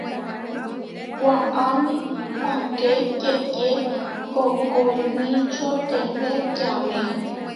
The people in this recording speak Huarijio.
Waʼámi páke yeʼyé koʼkomičio teemé tiamé.